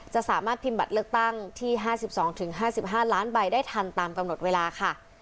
จะสามารถพิมพ์บัตรเลือกตั้งที่ห้าสิบสองถึงห้าสิบห้าล้านใบได้ทันตามกำหนดเวลาค่ะ